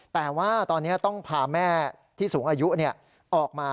แต่ว่าตอนนี้ต้องพาแม่ที่สูงอายุออกมา